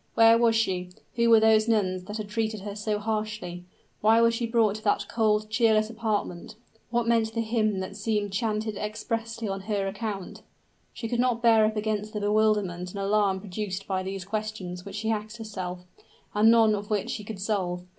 Where was she? who were those nuns that had treated her so harshly? why was she brought to that cold, cheerless apartment? what meant the hymn that seemed chanted expressly on her account? She could not bear up against the bewilderment and alarm produced by these questions which she asked herself, and none of which she could solve.